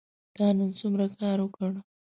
تا نن څومره کار وکړ ؟